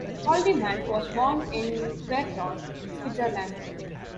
Haldimand was born in Yverdon, Switzerland.